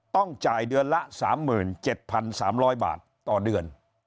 ต้องจ่ายเดือนละ๓๗๓๐๐บาทต่อเดือน